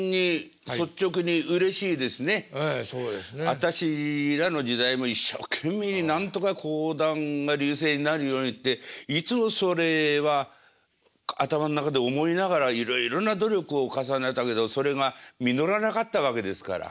私らの時代も一生懸命になんとか講談が隆盛になるようにっていつもそれは頭ん中で思いながらいろいろな努力を重ねたけどそれが実らなかったわけですから。